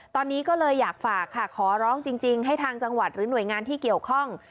ตอนนี้ก็เลยอยากฝากค่ะขอร้องจริงให้ทางจังหวัดหรือหน่วยงานที่เกี่ยวข้อง